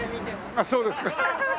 あっそうですか。